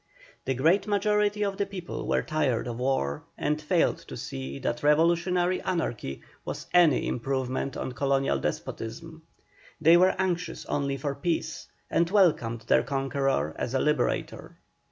The great majority of the people were tired of war, and failed to see that revolutionary anarchy was any improvement on colonial despotism; they were anxious only for peace, and welcomed their conqueror as a liberator.